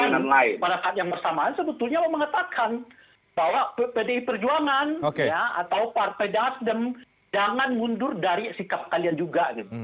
dan pada saat yang bersamaan sebetulnya mengatakan bahwa pdi perjuangan atau partai dasdem jangan mundur dari sikap kalian juga gitu